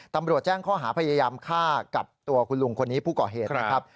ตำรวจแจ้งข้อหาพยายามฆ่ากับตัวคุณลุงคนนี้ผู้ก่อเหตุนะครับ